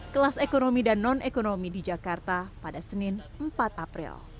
kelas ekonomi dan non ekonomi di jakarta pada senin empat april